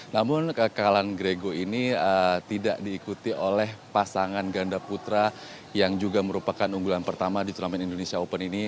namun kekalahan grego ini tidak diikuti oleh pasangan ganda putra yang juga merupakan unggulan pertama di turnamen indonesia open ini